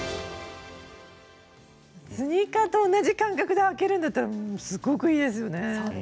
スニーカーと同じ感覚で履けるんだったらすごくいいですよね。